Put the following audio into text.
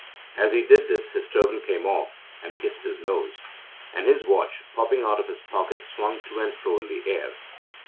As he did this his turban came off and kissed his nose, and his watch, popping out of his pocket, swung to and fro in the air.